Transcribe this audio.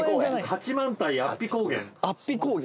八幡平安比高原。